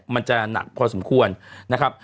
มันจะหนักพอสมควรนะครับ